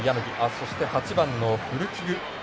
そして８番のフルティグ。